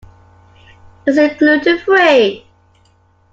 Is it gluten-free?